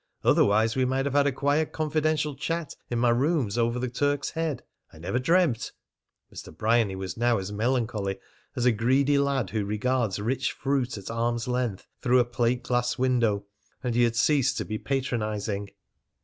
Otherwise we might have had a quiet confidential chat in my rooms over the Turk's Head. I never dreamt " Mr. Bryany was now as melancholy as a greedy lad who regards rich fruit at arm's length through a plate glass window, and he had ceased to be patronising.